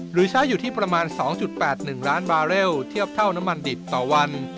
หรือใช้อยู่ที่ประมาณ๒๘๑ล้านบาเรลเทียบเท่าน้ำมันดิบต่อวัน